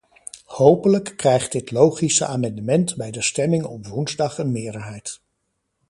Hopelijk krijgt dit logische amendement bij de stemming op woensdag een meerderheid.